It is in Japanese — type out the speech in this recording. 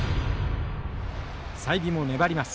済美も粘ります。